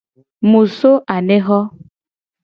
Mu so anexo.